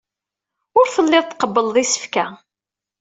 Ur telliḍ tqebbleḍ isefka.